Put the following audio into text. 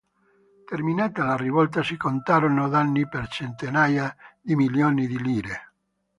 Terminata la rivolta si contarono danni per centinaia di milioni di lire.